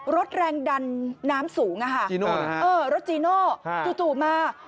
รถแรงดันน้ำสูงรถจีโน่จู่มา